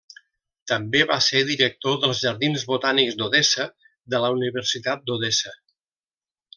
També va ser director dels Jardins Botànics d'Odessa, de la Universitat d'Odessa.